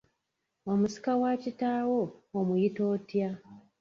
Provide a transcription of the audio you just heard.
Omusika wa kitaawo, omuyita otya?